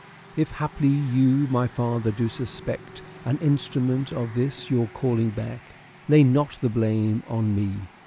If haply you my father do suspect, An instrument of this your calling back, Lay not the blame on me."